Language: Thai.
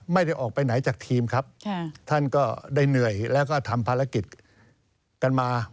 ไม่ได้ออกไปไหนจากทีมครับ